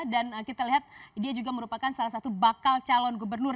dan kita lihat dia juga merupakan salah satu bakal calon gubernur